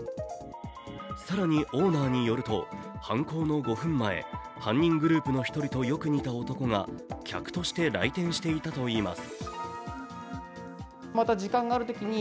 更に、オーナーによると、犯行の５分前、犯人グループの一人とよく似た男が客として来店していたといいます。